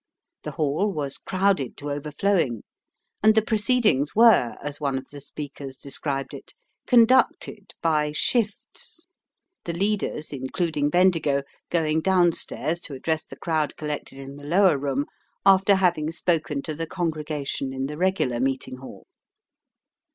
The Hall was crowded to overflowing, and the proceedings were, as one of the speakers described it, conducted "by shifts," the leaders, including Bendigo, going downstairs to address the crowd collected in the lower room after having spoken to the congregation in the regular meeting hall.